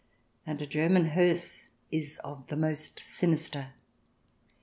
And a German hearse is of th€ most sinister.